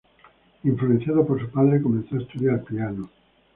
Influenciado por su padre comenzó a estudiar piano.